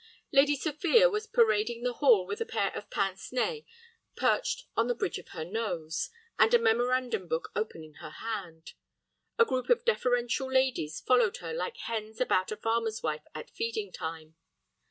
Lady Sophia was parading the hall with a pair of pince nez perched on the bridge of her nose, and a memorandum book open in her hand. A group of deferential ladies followed her like hens about the farmer's wife at feeding time.